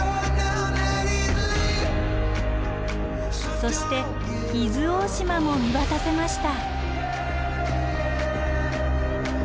そして伊豆大島も見渡せました。